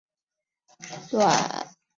沅江澧水